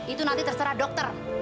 itu nanti terserah dokter